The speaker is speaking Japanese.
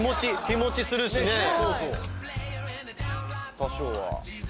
多少は。